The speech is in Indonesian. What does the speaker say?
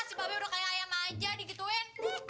si mbak be udah kayak ayam aja digituin